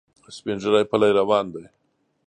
سپین ږیری پلی روان دی.